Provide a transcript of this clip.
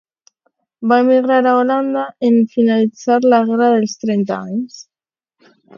Va emigrar a Holanda en finalitzar la Guerra dels Trenta Anys.